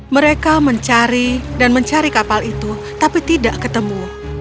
mereka mencari dan mencari kapal itu tapi tidak ketemu